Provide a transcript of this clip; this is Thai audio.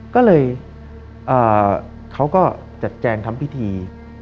ก็เลยเขาก็จัดแจงทำพิธี